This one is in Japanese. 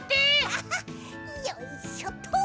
アハッよいしょっと！